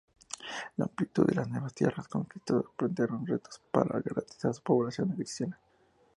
La amplitud de las nuevas tierras conquistadas plantearon retos para garantizar su población cristiana.